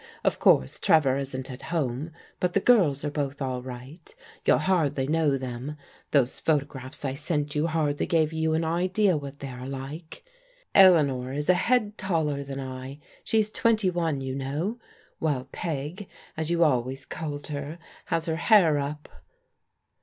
Of course Trevor isn't at home, but the girls are both all right. You'll hardly know them. Those photographs I sent you hardly gave you an idea what they are like. Eleanor is a head taller than I — she's twenty one, you know, — ^while Peg, as you al ways called her, has her hair up."